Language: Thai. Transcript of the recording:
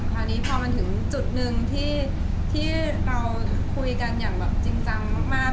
ตอนนี้พอมาถึงจุดนึงที่เราคุยกันอย่างจริงจังมาก